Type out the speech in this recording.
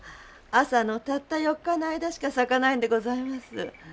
朝のたった４日の間しか咲かないんでございます。